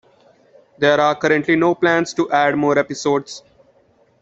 There are currently no plans to add more episodes.